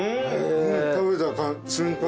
食べた瞬間に。